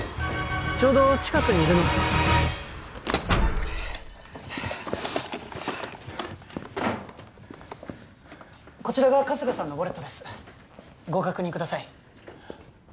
ちょうど近くにいるのでこちらが春日さんのウォレットですご確認ください